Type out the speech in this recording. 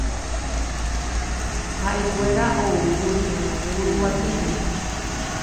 Ha'ekuéra oúkuri Kuruguatýgui.